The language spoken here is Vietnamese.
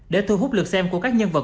để thu hút lượt xem của các nhân vật